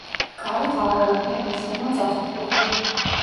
კარი თაღოვანია, მის ზემოთ სათოფურია.